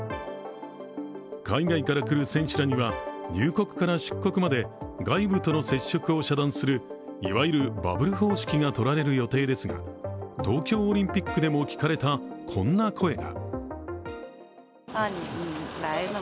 海外から来る選手らには入国から出国まで外部との接触を遮断するいわゆるバブル方式がとられる予定ですが東京オリンピックでも聞かれたこんな声が。